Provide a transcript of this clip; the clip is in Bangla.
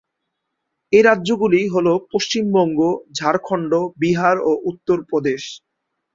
এই রাজ্য গুলি হল পশ্চিমবঙ্গ, ঝাড়খন্ড, বিহার ও উত্তর প্রদেশ।